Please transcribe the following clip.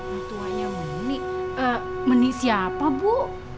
orang tuanya menik menik siapa bu